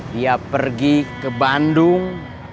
dia pergi ke bandung